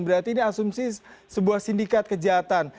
berarti ini asumsi sebuah sindikat kejahatan